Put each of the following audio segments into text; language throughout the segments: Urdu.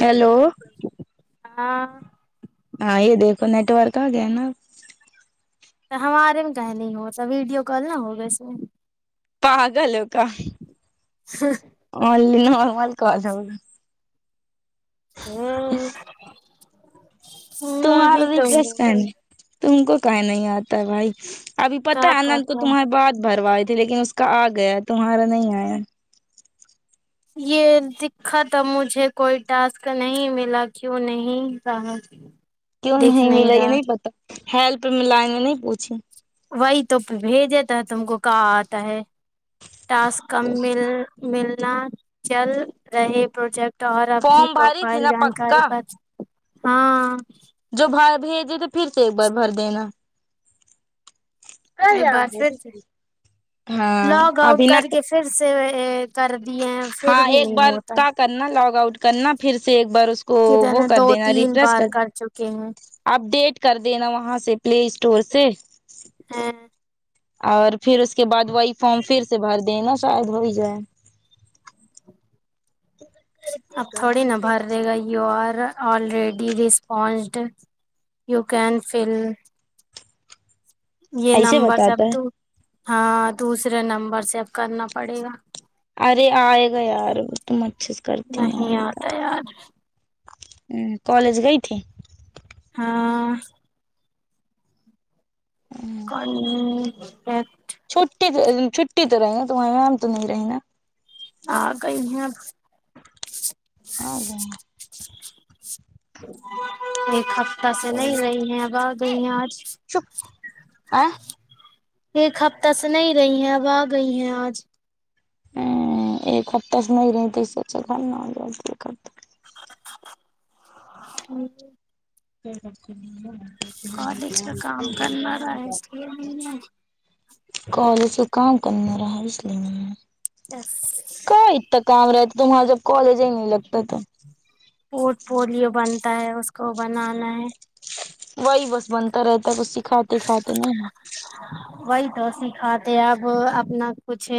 ہیلو ہاں ہاں یہ دیکھو نیٹ ورک آ گیا نا ہمارے ٹاںم میں نہیں ہوتا ویڈیو کال نہ ہوگا اس میں پاگل ہو کیا ام اونلی نارمل کیل ہے وہ امم تمہارا ریفریش کرڈ تم کو کاہیں نہیں آتا ہے بھائی ابھی پتا ہے آنند کو تمہارے بات بھروائے تھے لیکن کا آ گیا تمہارا نہیں آیا یہ دکھا تھا مجھے کوئی ٹاسک نہیں ملا کیوں نہیں رہا کیوں دیکھ نہیں ملے یہ رہا نہیں پتا ہیلپ لائن میں نہیں پوچھی وہی تو بھیج دیتا ہے تم کو کہاں آتا ہے ٹاسک کم مل ملنا چل رہے پروجیکٹ اور اب کی فارم بھاری تھی پروفائل نا جانکاری پکا پر ہاں جو بھای بھیجے تو پھر سے ایک بار بھر دینا ایک بار پھر سے ہاں لاگ آؤٹ ابھی کر کے پھر سے کر دی ہیں پھر ہاں بھی ایک نہیں بار ہوتا کا کرنا لاگ آؤٹ کرنا پھر سے ایک بار اس کو وہ کر دینا ریفریش کر کہ اپ ڈیٹ کر دینا وہاں سے پلے اسٹور سے ہاں اور پھر اس کے بعد وہی فارم پھر سے بھر دیں نا شاید ہو ہی جائے اب تھوڑی نا بھر دےگا یہ you are already responded you can fill یہ ایسے نمبر سے اب بتاتا ہے تو ہاں دوسرے نمبر سے اب کرنا پڑے گا ارے آئے گا یار تم اچھے سے کرتی نہ نہیں ہوگی آتا یار امم کالج گئی تھی ہاں امم ایکٹھ چٹھی چھٹی تو رہے گا تو وہیں تم آرام سے رہے گا آ گئی ہیں آ گئے ایک ہف تا سے نے رہئی ہیں اب آ گئی ہیں آج آ ایک ہفتہ سے نہیں رہی ہے اب آ گئی ہیں آج ایک ہفتے سے نہیں رہی تو اسسے چلانا کالج کا کام کرنا رہا ہے اس لیے نہیں کالج کا کام کرنے رہا اس لیے میں ہے اتنا کام رہتا تم وہاں جب کالج ہی نہیں لگتا تو پورٹ پلیو بنتا ہے اس کو بنانا ہے وہی بس بنتا رہتا ہے کچ س کھاتے کھاتے نہیں ہیں وہی تو سکھاتے اب اپنا کچھ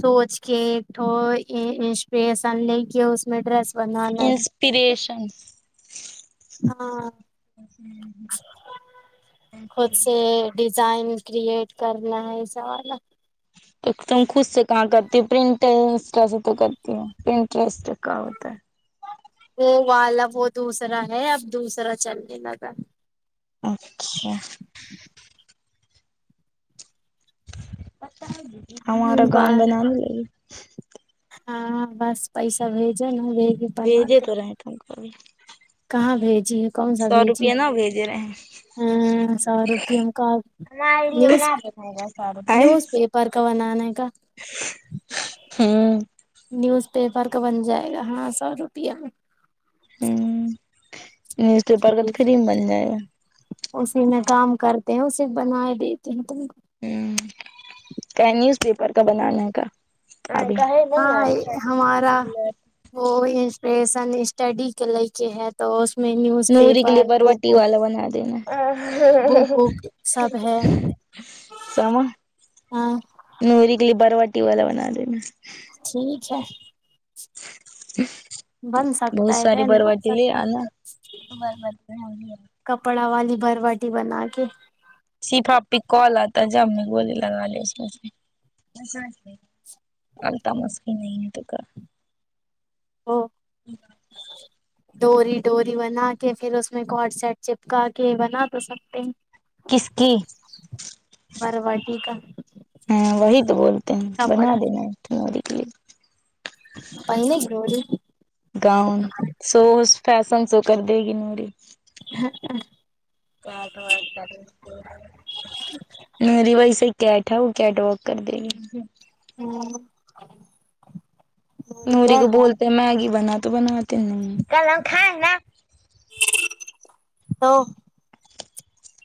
سوچ کے تو انسپریشن لے کے اس میں ڈریس بنانا ہے انسپریشن ہاں خود سے ڈیزائن کریئٹ کرنا ہے سوا ایک دم خود سے کہاں کرتی ہوں پرنٹر انسٹا سے تو کرتی ہوں پرنٹر کاا ہوتا ہے وہ والا وہ دوسرا ہے اب دوسرا چلنے لگا اچھا ہمارا گاؤان بار بنانا لے ہاں ہ بس پیسہ بھیجو ن بھی بھیجے تو رہے تم کو کہاں بھیجیے سو روپیہ نا بھیجے رہے ہیں ہاں سو روپ ہم کا نیوز ااے نیوز پیپر کا بنانے کا ہوں نیوز پیپر کا بن جائے گا ہاں سو روپیہ میں ہوں نیوز پیپر کا ٹھیک تو فھر ہے بن جائے گا اسی میں کام کرتے ہیں اسے بنا دیتے ہیں تم کو ہ کیا نیوز پیپر کا بنانے کابھی نہیں ہاں یار ہمارا وہ انسپریشن اسٹڈی کے لے کے ہے تو اس میں نیوز نریگ لی پیپر بروٹی بک والالا بنا دینا بک وک سب ہے سما ہاں نورگ لی بروٹی ہول ند میں ٹھیک ہے بن بہت سکتا ہے ساری کیا نہیں بن برباد ل سکتا ن کپڑا والی بھروٹی بنا کے سیفای کال آ تھا جا امی گولی لگی اس م التا مسکی نہیں ہے تو کا وہ ڈوری ڈوری بنا کے پھر اس میں کڈ سیٹ چپکا کے بنا تو سکتے ہیں کسکی بھرواٹی کا ہاں وہی تو بولتے ہیں بنا کپڑا دینا کمی کے لیے بن گ روری گاؤن سو فیشن سو کر دے گی نی ہاں میری ویس کیٹ ہے وہ کیٹ واک کر دے گی ہوں نوری کو بولتے میگی بنا تو بناتے نہیں کھ نا تو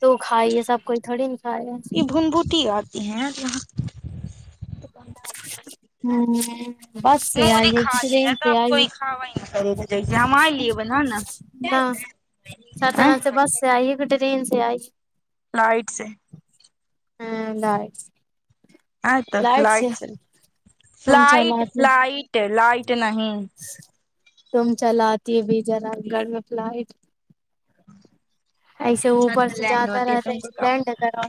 تو کھائی ہے سب کوئی تھوڑی نہیں کھائے ہے یہ بھون بوٹی آتی ہیں یہاں ہوں بس سے آئی ہے کسی ٹرین سے آئی ہے ہمے بنانا نہ ساتنا سے بس سے آئیے کٹے رین سے آئی لائٹ سے ہاں لائے آے تو لائٹ تم سےفلائٹ چلاتی فلائٹ لائٹ نہیں تم چلاتی بھی جرا گھر میں فلائٹ ایسے اپنے چھت اوپر پے سے لینڈ جاتا ہوتی ہے رہتا تم کو کیا لینڈ معلوم کرا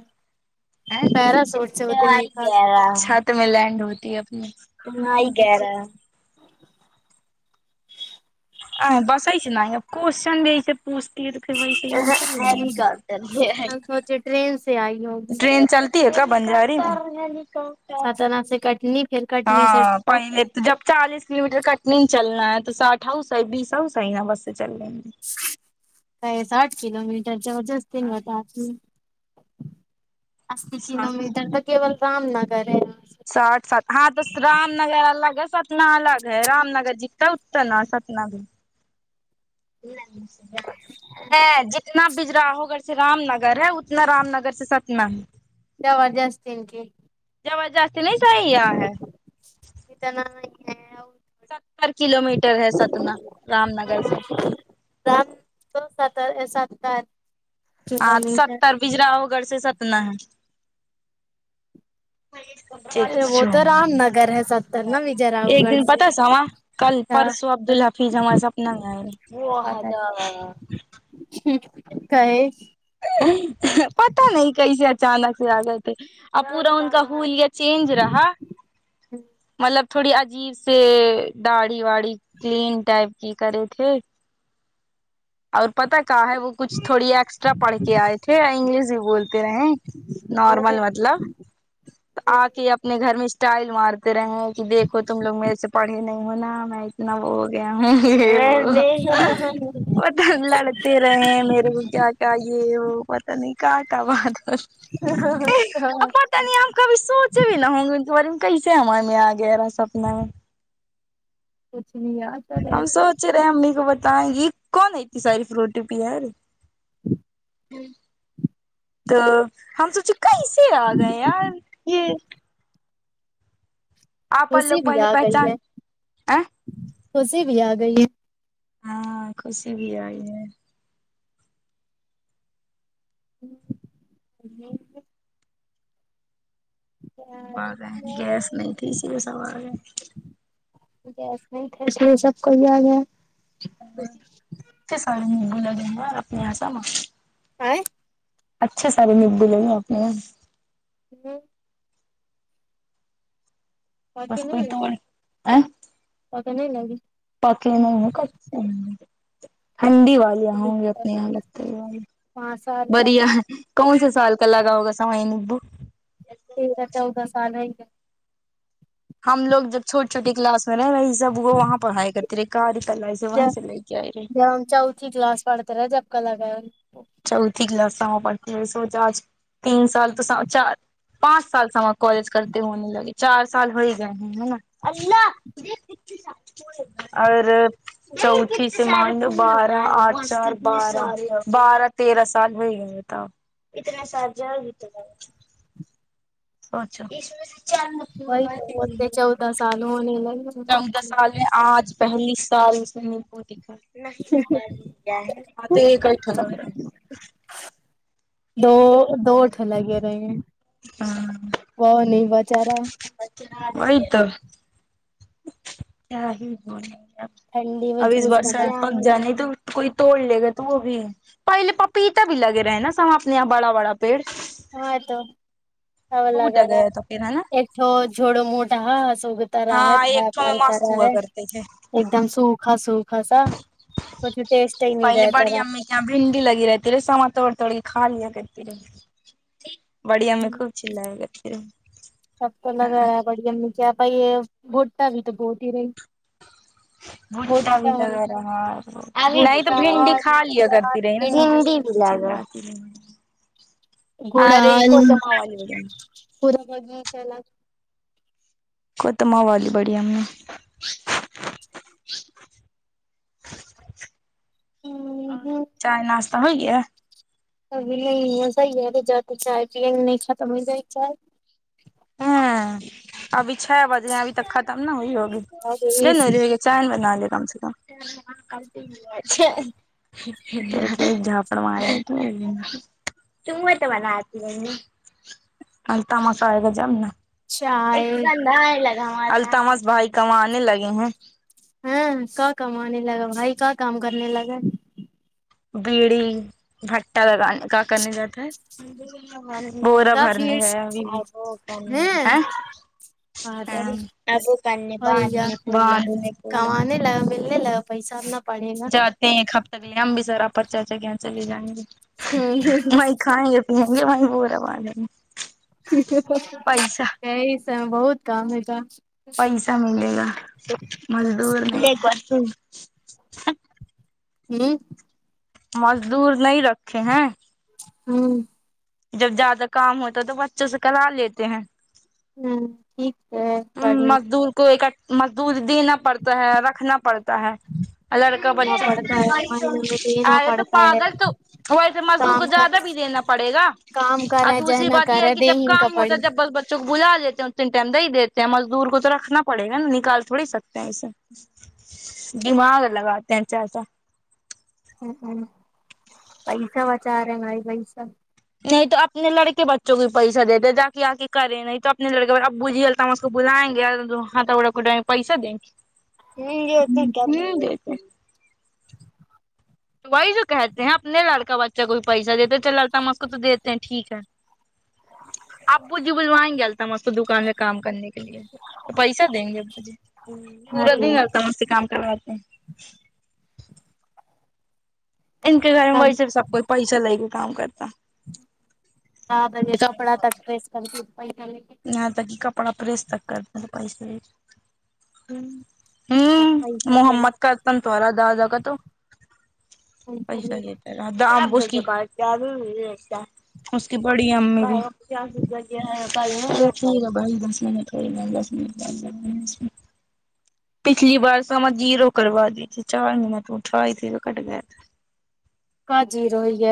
پیراسوٹ سے ہ اتریے آئی گا گیا سات ت میں لینڈ ہوتی ہے اپنی تو وہی کہہ رہا ہے ا بسائیچے ن کوشن بھی پ یہ د مش گارٹ ٹرینس سی آئی وہ ٹرین چلتی ہے کب بنجاری میں ساتنا سے کٹنی پھر کٹنی س ہاں پہلے تو جب چالیس کلو میٹر کٹنی چلنا ہے تو ساٹھ ہاؤس بیس ہاؤس ہی نا بس سے چل لیں گے ساٹھ کلو میٹر جو [unintelligible] پ اسی کلو ساٹھ میٹر تو کیول رام نگر ر ہے ساٹھ سات ہاں تو رام نگر الگ ہے ستنا الگ ہے رام نگر جیتا اتنا ستنا سپنا بھی ج جتنا بجراہو گھر سے رام نگر ہے اتنا رام نگر سے ستنا ہے زبردستی نہیں چاہیے نہیںتنا [unintelligible] ستر کلو میٹر ہے ستنا رام نگر سے ساٹھ نہی تو ستر ہے ستر ہاں تو ستر پجرا ہو گڑھ سے ستنا ہے اچھا ایک دن پتا سواں کل پرسوں عبد الحفیظ ہمارا سپنا آے وحدہ کا ہے پتا نہیں کیسے اچانک سے آ گئے تھے اب پورا ان کا ہولیا چینج رہا مطلب تھوڑی عجیب سے داڑھی واڑی کلین ٹائپ کی کرے تھے اور پتا کیا ہے وہ کچھ تھوڑی ایکسٹرا پڑھ کے آئے تھے انگلش بھی بولتے رہے نارمل مطلب تو آ کے اپنے گھر میں اسٹائل مارتے رہے ہیں کہ دیکھو تم لوگ میرے سے پڑھے نہیں ہونا میں اتنا وہ ہو گیا ہوں وہ [unintelligible] پتا لڑتے رہے ہیں میرے کو کیا کیا یہ وہ پتا نہیں کیا کا بات ہو پتہ نہیں ہم کبھی سو چے بھی نہ ہوں گے ان کے بارے میں کیسے ہے ہمارے میاں گہرا سپنا ہے کچھ نہیں یاد ہم سوچے رہے ہیں امی کو بتائیں گے کون ایتی ساری فروٹی ار تو ہم سوچے کیسے آ گئے یار یہ آپ خوشی لوگ بھی پہلے آ گئی پہچان ہے ا خوشی بھی آ گئی ہے ہاں خوشی بھی آئی ہے ہ ج [unintelligible] وہ بھین گیس نہیں تھی اسی لیے سب آگے ہیں گیس نہیں تھی اس لیے سب لوگ یہاں آگیا اے سارے مبو لگے ہیں اپنے للل [unintelligible] آے اچھے ساریے [unintelligible] آپ نے گیا پکے بس نہیں کوئی توڑ لگے ا پکنے لگے [unintelligible] ہوں گی اپنی یہالگتے پانچ سال بڑھیا کون سے سال کا لگا ہوگا ساۓ ابو تیرا چودہ سال ہے کیا ہم لوگ جب چھوٹی چھوٹی کلاس میں وہی سب وہ وہاں پڑھائی کرتی رہے کار کا لائسنس وہیں سے لے کے آئے ہے یا انچاؤ چ گلاس پڑتا رہا جب کا لگا چوتوی کلاس سے پڑتے ہوئے سوچا آج تین سال تو سو چار پانچ سال سے ہم کالج کرتے ہونے لگے چار سال تو ہو ہی گئے ہیں نا اور چوتھی سیمانڈ بارہ آچار بارہ بارہ تیرہ سال ہو گئے بتا اتنے سال جو اچھا اچھا وہی تو بولتے [unintelligible] چودہ سال میں آج پہلی سال اس نے میں مدکھی [unintelligible] دو دوٹھ لگے رہے ہیں وہ نہیں بچا رہا وہ ہی تو کیا ہی بول ٹھنڈی میں اس جوس بارس بنانے جانے تو کوئی توڑ لے گا تو وہ بھی پہلے پپیتا بھی لگے رہے ہیں نا سب اپنے یہاں بڑا بڑا پیڑ ہاں تو ہا ٹوٹ لگا رہا ہے گیا تو پھر نا ایک سو جڑ موٹا سگتا رہا ہے تھا پتا رہا ہے ٹھیک ہے ایک دم سوکھا سوکھا سا کچھ ٹیسٹ ہی نہیں پہل رہتا بڑی رہا امی بھنڈی لگی رہتی رے سامان توڑ تڑی خالیاں کرتی ری بڑی امی کو کھیلی گئیے کیا سب کو لگا رہا ہے بڑی ا نے کیا بائی یہ بھٹتا بھی تو بہت ہی رہی بھٹٹا بھی بھٹا لگا رہا اب نہیں تو بھٹا بھنڈی کھا لیا کرتی رہی بھنڈی بھڈی بھی یاد آتی نا آرہی گڑال کو کماوہلی پورا ختمہ والی بڑی امی اور لگا چائے ناشتا ہو گیا ابھی نہیں یہ صحی ہے تو جاتی چائے پیے نہیں ختم ہو جائے چائے ہاں ابھی چھ بج رہے ہیں ابھی تک ختم نہا ہوئی ہوگی چائے چیاند بنا لے کم سے کم جاپڑ مارے تو تم نے تو بناتی ہوں گی التمسی صحبے جمنا ایک چائے گندا لگا التمس بھائی کماں آنے لگے ہیں ہاں کا کمانے لگا بھائی کا کام کرنے لگا بیڑی بٹا لگانے کا کارنی جات بورا کا بھرنے بھیڑ ہاں گیا ہاں ابو پھڑنے کو ہوئی گا باندنے کو باندنے کو پیس نہ پڑ نہ ایک ہفتے کے لے ہم بھی ذرا پرچاچا کے یہاں چلے جائیں گے ہوں وہیں کھائیں گے جے من پور معے یہی س بہت کام ہے تھا پیسہ ملے گا مزدور ہوں مزدور نہیں رکھے ہیں ہوں جب زیادہ کام ہوتا ہے تو بچوں سے کرا لیتے ہیں ہوں ٹھیک ہے بڑھیا مزدور کو ایکٹ مزدور دینا پڑتا ہے رکھنا پڑتا ہے لڑکا رکھنا بچہ پڑتا ہے مہینہ میں دینا آے تو پڑتا ہے پاگل تو وہی تھے مزدور کام کو کا زیادہ بھی دینا پڑے گا کام کر اور رہے دوسری جہنا بات کر یہ ہے رہے کہ دے جب ہی کا کام پڑی ہوتا جب بس ب چ بلا دیتےوں تین ائم دے دیتے مزدور کو تو رکھنا پڑے گا نا نکال تھوڑی سکتے ہیں ایسے دماغ لگاتے ہیں وہا چا چا ہ ہ پیسہ بچا رہے ہیں بھائی پیسہ نہیں تو اپنے لڑکے بچوں کو پیسہ دیتے جااک آگ کے کرے نہیں تو اپنے لڑے ابو جی اس کو بلائیں گے ہاتھڑا کوائ گ پیسہ دیں گے تو وہی جو کہتے ہیں اپنے لڑکا بچہ کو بھی پیسہ دیتے چل لڑکا ہم اس کو تو دیتے ہیں ٹھیک ہے ابو جی بلوائیں گے التمس کو دکان میں کام کرنے کے لیے تو پیسہ دیں گے ہاں پورا دے دن التمس سے کام کرواتے ہیں ان کے گھر میں ویس سب کوئی پیسہ لے کے کام کرتا ہاں بندے سوپڑا تک بیسکن پس نہ ت ک اپنا پرستک کر مل بائی سے ہ ہوں پیسہ کے محمد نام کا ت تھارا د جا کاا تو پیسہ پیسا لے ہی اس کی پڑی امی بھی کیا ل گ ہے بائی ہے بھائی دس مھ د پچھلی بار سوا جییرو کروا دی ت چار مہیننے ت اٹھائی تھز کٹ گیا تھا ک جی روئی ہے